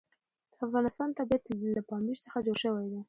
د افغانستان طبیعت له پامیر څخه جوړ شوی دی.